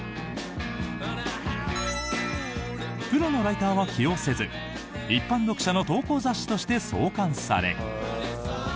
プロのライターは起用せず一般読者の投稿雑誌として創刊され。